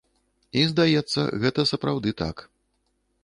І, здаецца, гэта сапраўды так.